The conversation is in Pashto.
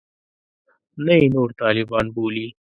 نه یې نور طالبان بولي.